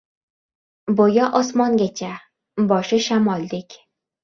• Bo‘yi osmongacha, boshi shamoldek.